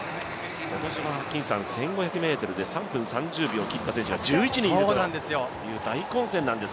今年は１５００ｍで３分３０秒を切った選手が１１人いるという大混戦なんで